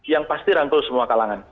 yang pasti rantau semua kalangan